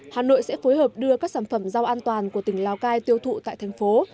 hà nội sẽ phối hợp đưa các sản phẩm rau an toàn của tỉnh lào cai tiêu thụ tại thành phố